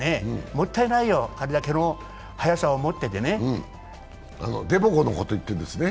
もったいないよ、彼だけの速さを持っててねるテボゴのことを言ってるんですね？